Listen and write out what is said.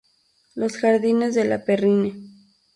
Los jardines de ""La Perrine"".